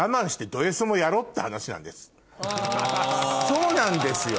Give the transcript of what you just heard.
そうなんですよ。